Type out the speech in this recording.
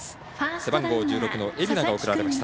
背番号１６の蝦名が送られました。